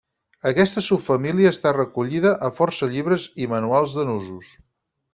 Aquesta subfamília està recollida a força llibres i manuals de nusos.